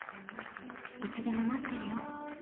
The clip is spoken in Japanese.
いつでも待ってるよ。